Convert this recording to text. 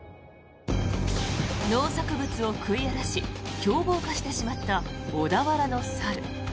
農作物を食い荒らし凶暴化してしまった小田原の猿。